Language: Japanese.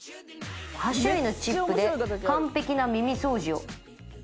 「８種類のチップで完璧な耳掃除を」